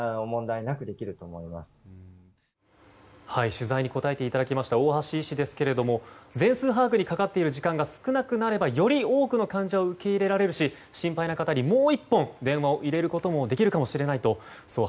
取材に答えていただきました大橋医師ですが全数把握にかかっている時間が少なくなればより多くの患者を受け入れられるし心配な方にもう１本電話を入れることもできるかもしれない。